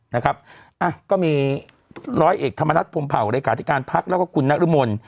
นะครับอ่ะก็มีร้อยเอกธรรมนัฐพลเผ่ารายกาศิการภักดิ์แล้วก็คุณนักรมนศ์